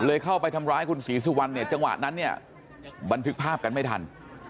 เลยเข้าไปทำร้ายคุณศรีสุวรรณจังหวัดนั้นบันพึกภาพกันไม่ทัน